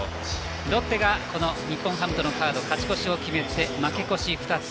ロッテが日本ハムとのカード勝ち越しを決めて負け越し２つ。